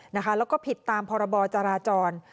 แล้วก็ผิดตามพรบจราจร